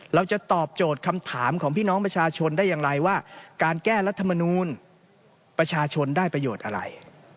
เราจะตอบโจทย์คำถามของพี่น้องประชาชนได้อย่างไรว่าการแก้รัฐมนูลประชาชนได้ประโยชน์อะไร